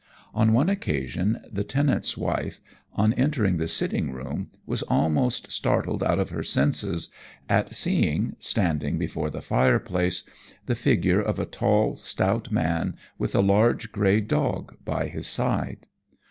On one occasion the tenant's wife, on entering the sitting room, was almost startled out of her senses at seeing, standing before the fireplace, the figure of a tall, stout man with a large, grey dog by his side.